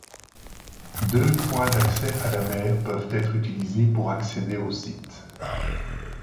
Deux points d'accès à la mer peuvent être utilisés pour accéder au site.